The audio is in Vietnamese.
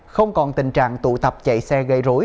không còn tình trạng tụ tập chạy xe gây rối